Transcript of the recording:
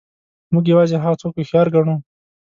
موږ یوازې هغه څوک هوښیار ګڼو.